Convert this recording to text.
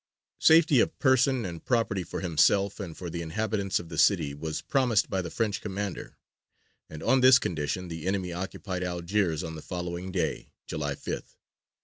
Safety of person and property for himself and for the inhabitants of the city was promised by the French commander, and on this condition the enemy occupied Algiers on the following day, July 5th.